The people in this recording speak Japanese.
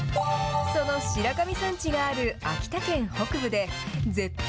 その白神山地がある秋田県北部で、絶品！